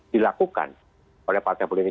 dilakukan oleh partai politik